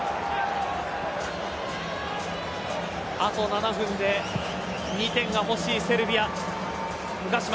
あと７分で２点が欲しいセルビア。